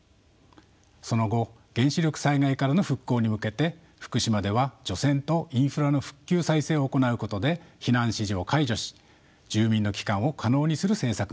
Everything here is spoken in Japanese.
その後原子力災害からの復興に向けて福島では除染とインフラの復旧・再生を行うことで避難指示を解除し住民の帰還を可能にする政策が行われてきました。